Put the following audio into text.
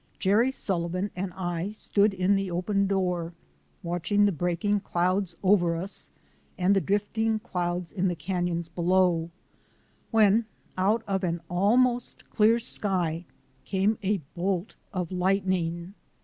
Jerry Sullivan and I stood in the open door, watching the breaking clouds over us and the drift ing clouds in the canons below, when out of an al most clear sky came a bolt of lightning.